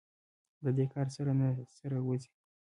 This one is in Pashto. د دې کار سر نه سره ورځي.